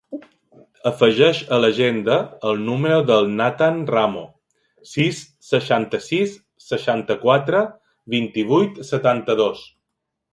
Afegeix a l'agenda el número del Nathan Ramo: sis, seixanta-sis, seixanta-quatre, vint-i-vuit, setanta-dos.